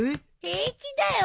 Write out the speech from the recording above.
平気だよ。